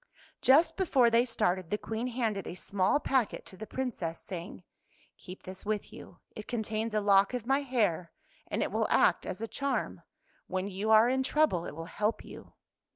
Just before they started, the Queen handed a small packet to the Princess, say ing, " Keep this with you. It contains a lock of my hair, and it will act as a charm. When you are in trouble it will help you."